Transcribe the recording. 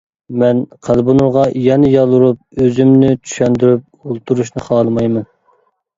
-مەن قەلبىنۇرغا يەنە يالۋۇرۇپ ئۆزۈمنى چۈشەندۈرۈپ ئولتۇرۇشنى خالىمايمەن.